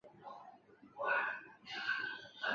群马草津温泉部比赛。